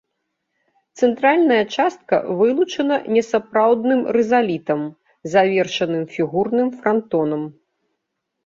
Цэнтральная частка вылучана несапраўдным рызалітам, завершаным фігурным франтонам.